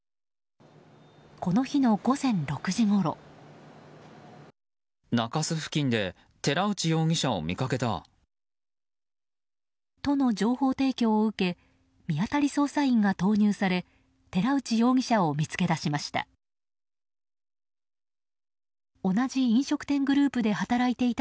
この日の午前６時ごろ。との情報提供を受け見当たり捜査員が投入され寺内容疑者を見つけ出しました。